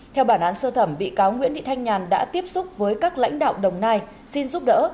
theo bản án sơ thẩm bị cáo nguyễn thị thanh nhàn đã tiếp xúc với các lãnh đạo đồng nai xin giúp đỡ